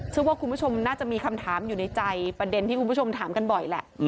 คุณผู้ชมน่าจะมีคำถามอยู่ในใจประเด็นที่คุณผู้ชมถามกันบ่อยแหละ